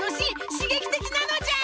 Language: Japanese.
しげきてきなのじゃ！